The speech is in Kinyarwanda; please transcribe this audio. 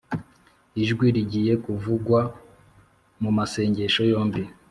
ijwi rigiye kuvugwa mumasengesho yombi